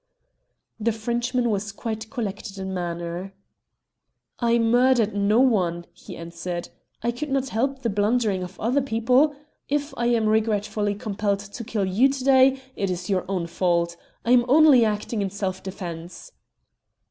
The Frenchman was quite collected in manner. "I murdered no one," he answered. "I could not help the blundering of other people. If I am regretfully compelled to kill you to day, it is your own fault. I am only acting in self defence."